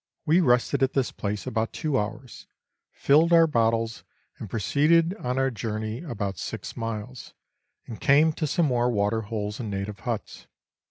We rested at this place about two hours, filled our bottles, and pro ceeded on our journey about six miles, and came to some more waterholes and native huts.